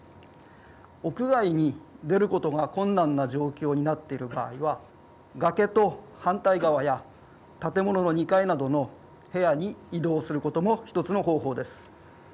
屋外に出ることが困難な状況になっている場合は崖と反対側や建物の２階などの部屋に移動することも１つの方法です。